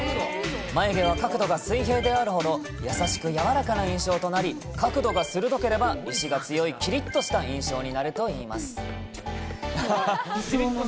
眉毛は角度が水平であるほど、優しく柔らかな印象となり、角度が鋭ければ、意思が強いきりっとした印象になるといいます。